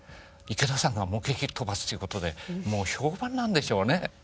池田さんが模型飛行機飛ばすということでもう評判なんでしょうね。